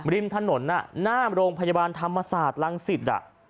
ริมถนนหน้าโรงพยาบาลธรรมศาสตร์รังสิต